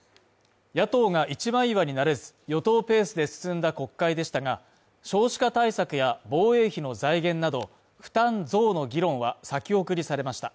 野党が一枚岩になれず、与党ペースで進んだ国会でしたが、少子化対策や防衛費の財源など負担増の議論は先送りされました。